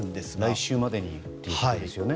来週までにということですよね。